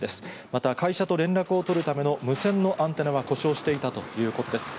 また会社と連絡を取るための無線のアンテナは故障していたということです。